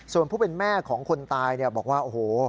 ส่วนผู้เป็นแม่ของคนตายบอกว่าโอ้โห